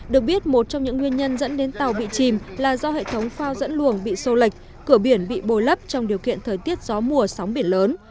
được biết một trong những nguyên nhân dẫn đến tàu bị chìm là do hệ thống phao dẫn luồng bị sô lệch cửa biển bị bồi lấp trong điều kiện thời tiết gió mùa sóng biển lớn